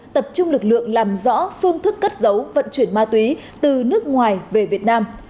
tập trung lực lượng làm rõ phương thức cất giấu vận chuyển ma túy từ nước ngoài về việt nam